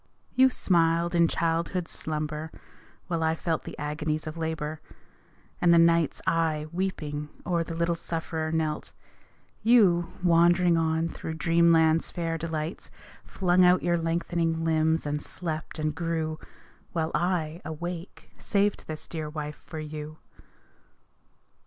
You smiled in childhood's slumber while I felt The agonies of labour; and the nights I, weeping, o'er the little sufferer knelt, You, wandering on through dreamland's fair delights Flung out your lengthening limbs and slept and grew; While I, awake, saved this dear wife for you.